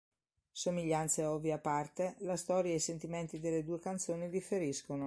Somiglianze ovvie a parte, la storia e i sentimenti delle due canzoni differiscono.